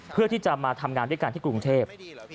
เพื่อที่จะมาทำงานด้วยกันที่กรุงเทพ